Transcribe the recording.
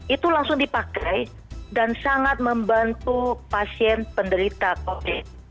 itu langsung dipakai dan sangat membantu pasien penderita covid